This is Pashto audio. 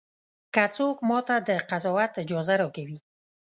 که څوک ماته د قضاوت اجازه راکوي.